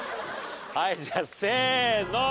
はいじゃあせーの。